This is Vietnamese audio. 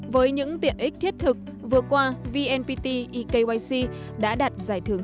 với những tiện ích thiết thực vừa qua vnpt ekyc đã đạt giải thưởng